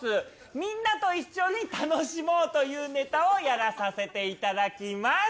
みんなと一緒に楽しもうというネタをやらさせていただきます。